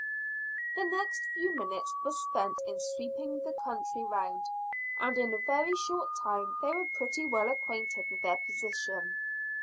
The next few minutes were spent in sweeping the country round, and in a very short time they were pretty well acquainted with their position.